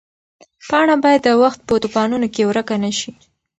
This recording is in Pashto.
پاڼه باید د وخت په توپانونو کې ورکه نه شي.